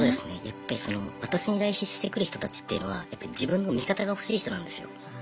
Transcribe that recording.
やっぱりその私に依頼してくる人たちっていうのはやっぱ自分の味方が欲しい人なんですよ。